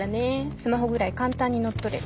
スマホぐらい簡単に乗っ取れる。